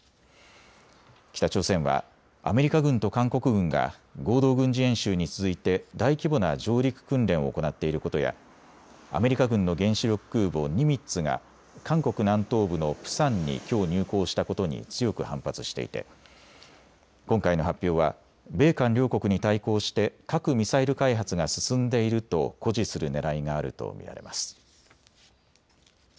北朝鮮はアメリカ軍と韓国軍が合同軍事演習に続いて大規模な上陸訓練を行っていることやアメリカ軍の原子力空母ニミッツが韓国南東部のプサンにきょう入港したことに強く反発していて今回の発表は米韓両国に対抗して核・ミサイル開発が進んでいると誇示するねらいがあると見られます。